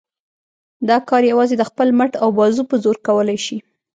دا کار یوازې د خپل مټ او بازو په زور کولای شي.